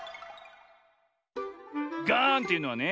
ガーンというのはね